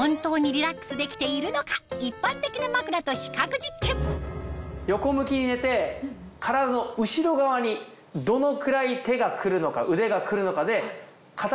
一般的な枕と比較実験横向きに寝て体の後ろ側にどのくらい手が来るのか腕が来るのかで。